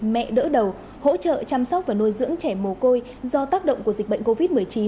mẹ đỡ đầu hỗ trợ chăm sóc và nuôi dưỡng trẻ mồ côi do tác động của dịch bệnh covid một mươi chín